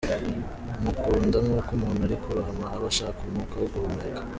Ngukunda nkuko umuntu uri kurohama aba ashaka umwuka wo guhumeka.